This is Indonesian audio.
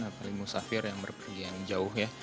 apalagi musafir yang berpergian jauh ya